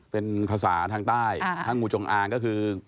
เป็นภาษาทางใต้ถ้างูจงอางก็คือ